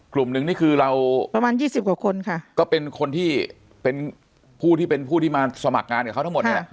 กลุ่มหนึ่งนี่คือเราประมาณยี่สิบกว่าคนค่ะก็เป็นคนที่เป็นผู้ที่เป็นผู้ที่มาสมัครงานกับเขาทั้งหมดนี่แหละ